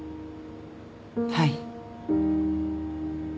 はい。